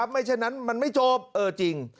ไม่ใช่นั้นมันไม่จบเออจริง